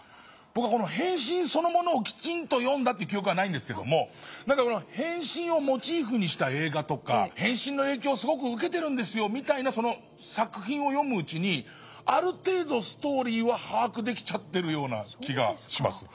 僕は「変身」そのものをきちんと読んだ記憶はないんですけども「変身」をモチーフにした映画とか「変身」の影響をすごく受けてる作品を読むうちにある程度ストーリーは把握できてるような気がします。